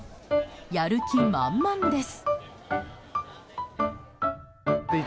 やる気満々です。